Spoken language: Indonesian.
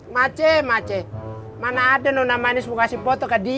maceh maceh mana ada nona manis mau kasih foto ke dia